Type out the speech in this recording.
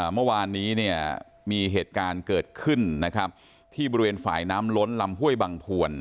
เมื่อวานนี้มีเหตุการณ์เกิดขึ้นที่บริเวณฝ่ายน้ำล้นลำห้วยบังฑวร